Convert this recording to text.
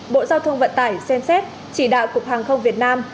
bộ giao thông vận tải xem xét chỉ đạo cục hàng không việt nam